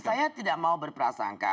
saya tidak mau berprasangka